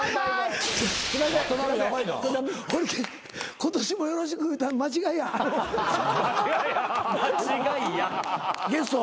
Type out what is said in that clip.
今年もよろしく言うたの間違いや。